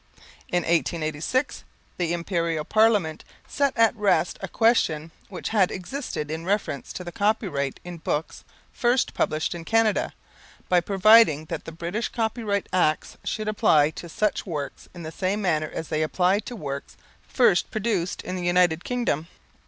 In 1886, the Imperial Parliament set at rest a question which had existed in reference to the copyright in books first published in Canada, by providing that the British Copyright Acts should apply to such works in the same manner as they apply to works first produced in the United Kingdom.